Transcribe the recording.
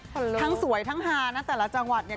ทั้งสวยทั้งฮานะแต่ละจังหวัดเนี่ย